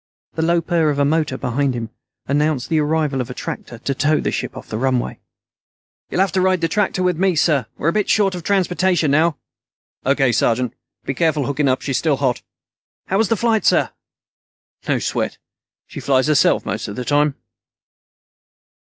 The low purr of a motor behind him announced the arrival of a tractor to tow the ship off the runway. "You'll have to ride the tractor back with me, sir. We're a bit short of transportation now." "O.K., sergeant. Be careful hooking up. She's still hot." "How was the flight, sir?" "No sweat. She flies herself most of the time."